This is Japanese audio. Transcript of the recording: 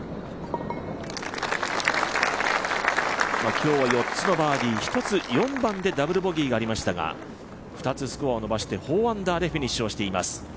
今日は４つのバーディー、１つ４番でダブルボギーがありましたが２つスコアを伸ばして４アンダーでフィニッシュしています。